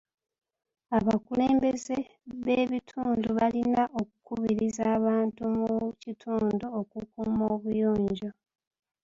Abakulembeze b'ebitundu balina okukubiriza abantu mu kitundu okukuuma obuyonjo.